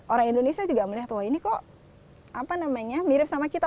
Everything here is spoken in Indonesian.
orang indonesia juga melihat oh ini kok mirip sama kita